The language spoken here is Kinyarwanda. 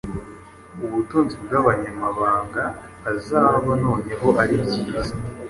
Ubutunzi bwabanyamahanga azaba noneho aribyiza